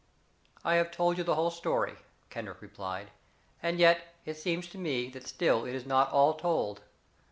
"I have told you the whole story," Kendrick replied, "and yet it seems to me that still it is not all told.